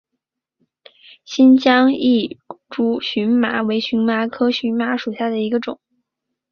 新疆异株荨麻为荨麻科荨麻属下的一个亚种。